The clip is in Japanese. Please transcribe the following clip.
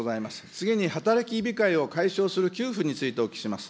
次に働き控えを解消する給付においてお聞きします。